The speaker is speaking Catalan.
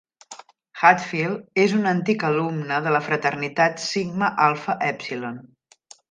Hatfield és un antic alumne de la fraternitat Sigma Alpha Epsilon.